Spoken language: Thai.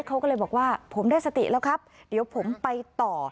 เขาก็เลยบอกว่าผมได้สติแล้วครับเดี๋ยวผมไปต่อ